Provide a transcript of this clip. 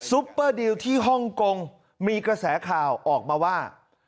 เปอร์ดิวที่ฮ่องกงมีกระแสข่าวออกมาว่า